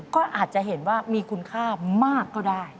ก็อาจจะเห็นว่ามีคุณค่ามากก็ได้